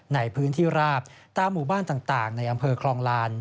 ในพื้นที่ราบตามหมู่บ้านต่างในอำเภอคลองลาน